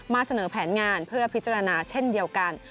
เสนอแผนงานเพื่อพิจารณาเช่นเดียวกัน